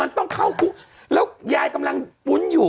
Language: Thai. มันต้องเข้าคุกแล้วยายกำลังฟุ้นอยู่